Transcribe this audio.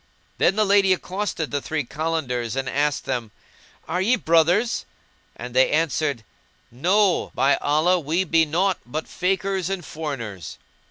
Then the lady accosted the three Kalandars and asked them, "Are ye brothers?"; when they answered, "No, by Allah, we be naught but Fakirs and foreigners."